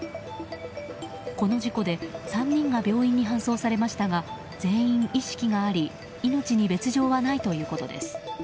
この事故で３人が病院に搬送されましたが全員意識があり命に別条はないということです。